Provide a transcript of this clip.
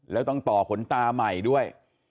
แล้วต้องต่อขนตาใหม่ด้วย